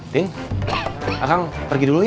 ting akan pergi dulu ya